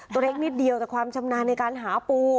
ตัวเล็กนิดเดียวแต่ความชำนาญในการหาปู